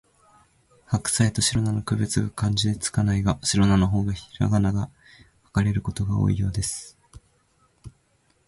ハクサイとシロナの区別が漢字で付かないが、シロナの方はひらがなで書かれることが多いようです